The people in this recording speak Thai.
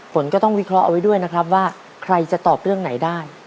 ฝนก็ต้องวิเคราะห์เอาไว้ด้วยนะครับว่าใครจะตอบเรื่องไหนได้